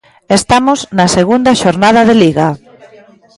Estamos na segunda xornada de Liga.